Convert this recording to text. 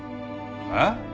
えっ？